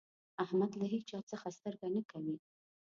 احمد له هيچا څځه سترګه نه کوي.